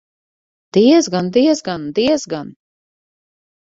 Diezgan, diezgan, diezgan!